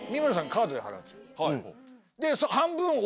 カードで払うんですよ。